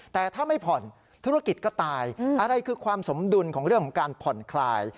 แต่ถ้าไม่ผ่อนธุรกิจก็ตายอะไรคือความสมดุลของเรื่องของการผ่อนคลาย